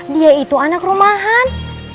dia itu anak rumahan